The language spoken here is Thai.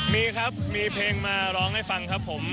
มีครับมีเพลงมาร้องให้ฟังครับผม